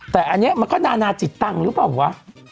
แต่อันนี้มันก็นานาจิตตังค์หรือเปล่าวะ